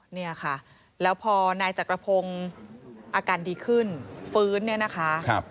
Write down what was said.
เนี่ยค่ะแล้วพอนายจักรพงศ์อาการดีขึ้นฟื้นเนี่ยนะคะ